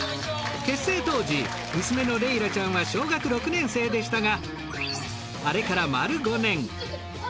結成当時娘のレイラちゃんは小学６年生でしたが。